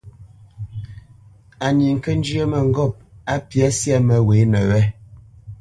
Á ní ŋkə́ njyə́ mə́ŋgôp á mbyá syâ məghwěnə wé.